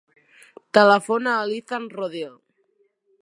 Telefona a l'Izan Rodil.